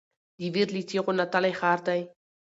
د ویر له چیغو نتلی ښار دی